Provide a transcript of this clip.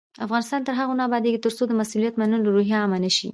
افغانستان تر هغو نه ابادیږي، ترڅو د مسؤلیت منلو روحیه عامه نشي.